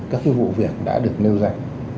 các vụ việc đã được nêu ra